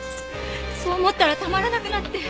そう思ったらたまらなくなって。